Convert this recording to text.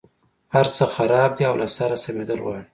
هرڅه خراب دي او له سره سمېدل غواړي.